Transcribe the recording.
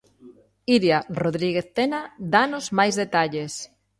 Iria Rodríguez Tena, dános máis detalles.